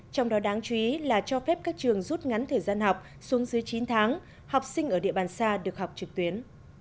trong đó đáng chú ý là cho phép các trường rút ngắn thời gian học xuống dưới chín tháng học sinh ở địa bàn xa được học trực tuyến